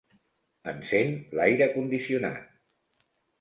Encén l'aire condicionat.